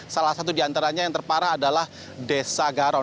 salah satu di antaranya yang terparah adalah desa garon